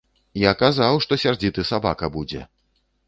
Я казаў, што сярдзіты сабака будзе.